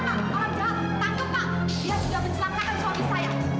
tangkap pak dia sudah mencelangkakan suami saya